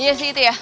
iya sih itu ya